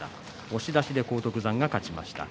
押し出しで荒篤山が勝ちました。